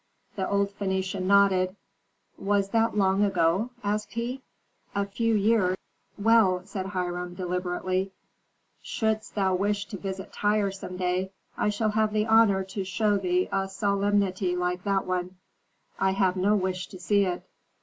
The old Phœnician nodded. "Was that long ago?" asked he. "A few years." "Well," said Hiram, deliberately, "shouldst thou wish to visit Tyre some day, I shall have the honor to show thee a solemnity like that one." "I have no wish to see it."